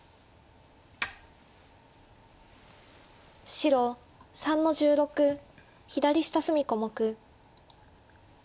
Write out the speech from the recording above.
白３の十六左下隅小目。